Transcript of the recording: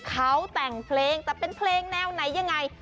เขาแต่งเพลงแต่เป็นเพลงแนวไหนยังไง